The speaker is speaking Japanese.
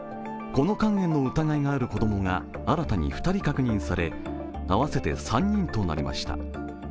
この肝炎の疑いのある子供が新たに２人確認され、合わせて３人となりました。